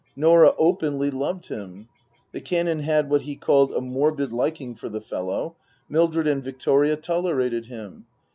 Norah openly loved him. The Canon had what he called " a morbid liking for the fellow." Mildred and Victoria tolerated him.